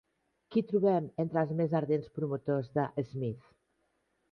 Qui trobem entre els més ardents promotors de Smith?